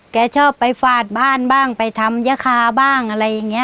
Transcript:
แกชอบไปฝาดบ้านบ้างไปทำยะคาบ้างอะไรอย่างนี้